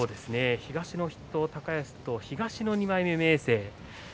東の筆頭高安と東の２枚目明生